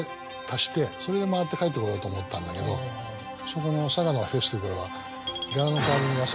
それで回って帰ってこようと思ったんだけどそこの佐賀のフェスティバルはギャラの代わりに野菜。